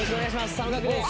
佐野岳です。